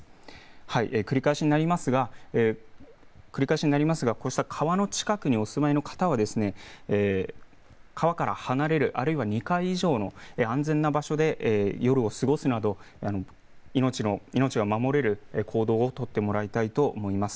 はい、繰り返しになりますがこうした川の近くにお住まいの方はですね川から離れるあるいは２階以上の安全な場所で夜を過ごすなど命が守れる行動を取ってもらいたいと思います。